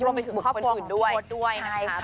อย่าไปยุ่งกับคนอื่นด้วย